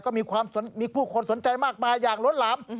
ก็มีผู้คนสนใจมากมายอย่างล้นหลาม